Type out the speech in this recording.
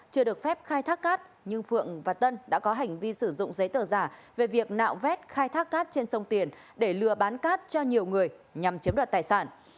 chưa được phép khai thác cát nhưng phượng và tân đã có hành vi sử dụng giấy tờ giả về việc nạo vét khai thác cát trên sông tiền để lừa bán cát cho nhiều người nhằm chiếm đoạt tài sản